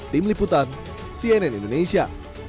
tim liputan cnn indonesia